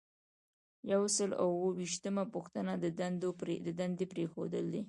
یو سل او اووه ویشتمه پوښتنه د دندې پریښودل دي.